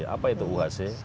apa itu uhc